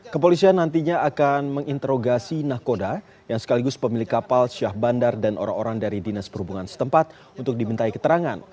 kepolisian nantinya akan menginterogasi nahkoda yang sekaligus pemilik kapal syah bandar dan orang orang dari dinas perhubungan setempat untuk dimintai keterangan